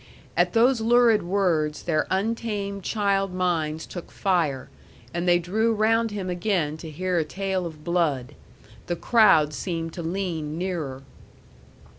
At those lurid words their untamed child minds took fire, and they drew round him again to hear a tale of blood. The crowd seemed to lean nearer.